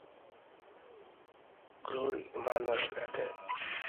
Glory Emmanuel Edet